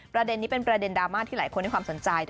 ประเด็นนี้เป็นประเด็นดราม่าที่หลายคนให้ความสนใจ